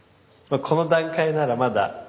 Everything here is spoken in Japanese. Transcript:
この段階ならまだ。